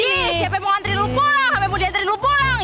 iya siapa yang mau anterin lo pulang siapa yang mau dianterin lo pulang